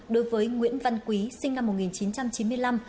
đối với nguyễn văn quý sinh năm một nghìn chín trăm chín mươi năm